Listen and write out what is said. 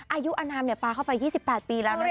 อายุอนามเนี่ยปลาเข้าไปยี่สิบแปดปีแล้วนะจ๊ะ